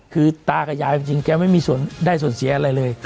คือตากับยายจริงแกไม่มีส่วนได้ส่วนเสียอะไรเลย